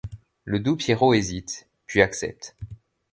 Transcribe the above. Le doux Pierrot hésite, puis accepte.